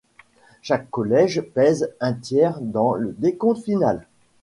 Chaque collège pèse un tiers dans le décompte final.